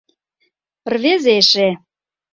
Рвезе эше.